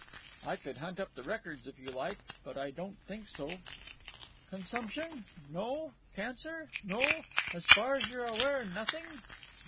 "I could hunt up the records, if you like; but I don't think so." "Consumption? No? Cancer? No? As far as you are aware, nothing?